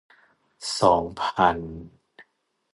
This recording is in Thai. สองพัน